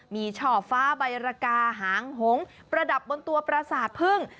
มีช่อฟ้าใบรกาหางหงประดับบนตัวประสาทพึ่ง